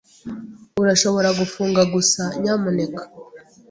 Urashobora gufunga gusa, nyamuneka?